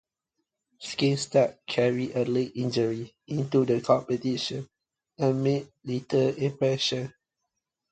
Skinstad carried a leg injury into the competition, and made little impression.